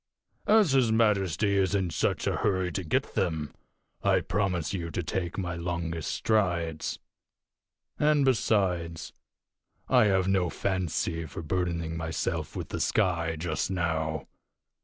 As his majesty is in such a hurry to get them, I promise you to take my longest strides. And, besides, I have no fancy for burdening myself with the sky just now."